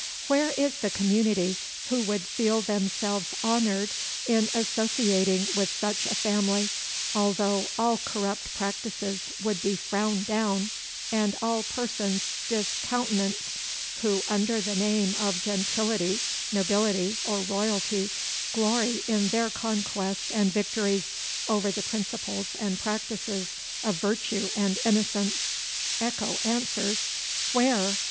Where is the community who would feel themselves honoured in associating with such a family although, all corrupt practices would be frowned down, and all persons discountenanced, who, under the name of gentility, nobility, or royalty, glory in their conquests and victories over the principles and practices of virtue and innocence? Echo answers, Where?